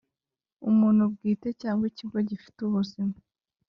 Umuntu bwite cyangwa ikigo gifite ubuzima